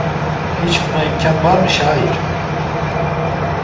Hiç buna imkan var mı şair?